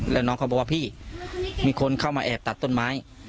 แล้วน้องเขาบอกว่าพี่มีคนเข้ามาแอบตัดต้นไม้